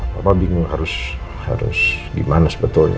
papa bingung harus gimana sebetulnya